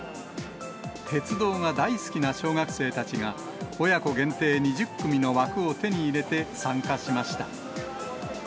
鉄道が大好きな小学生たちが、親子限定２０組の枠を手に入れて参加しました。